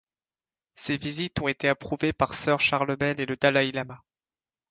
Ces visites ont été approuvées par sir Charles Bell et le dalaï-lama.